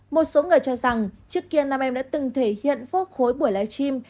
một số người cho rằng trước kia nam em đã từng thể hiện phốt khối buổi live stream